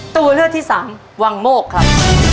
ตัวเลือกที่สามวังโมกครับ